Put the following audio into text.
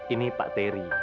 ini pak teri